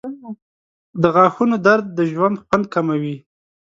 • د غاښونو درد د ژوند خوند کموي.